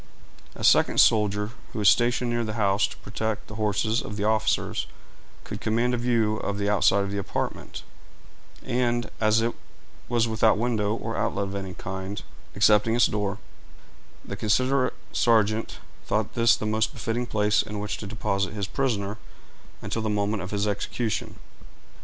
A second soldier, who was stationed near the house to protect the horses of the officers, could command a view of the outside of the apartment; and, as it was without window or outlet of any kind, excepting its door, the considerate sergeant thought this the most befitting place in which to deposit his prisoner until the moment of his execution.